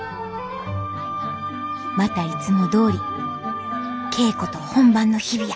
またいつもどおり稽古と本番の日々や！